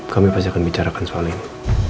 kami pasti akan bicarakan soal ini